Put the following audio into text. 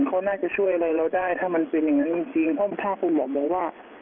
เขาน่าจะช่วยอะไรเราได้ถ้ามันเป็นอย่างนั้นจริงเพราะถ้าคุณหมอบอกว่า